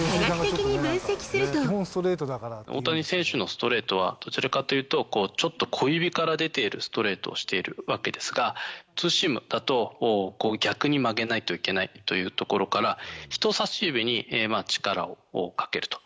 大谷選手のストレートは、どちらかというと、ちょっと小指から出ているストレートしているわけですが、ツーシームだと、逆に曲げないといけないというところから、人さし指に力をかけると。